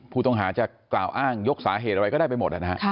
ผู้ต้องหาจะกล่าวอ้างยกสาเหตุอะไรก็ได้ไปหมดนะฮะ